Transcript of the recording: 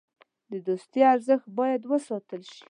د دوستۍ ارزښت باید وساتل شي.